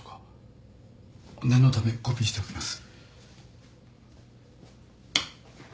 念のためコピーしておきます。